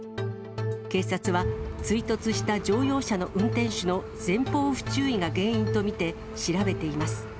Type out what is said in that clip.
警察は追突した乗用車の運転手の前方不注意が原因と見て、調べています。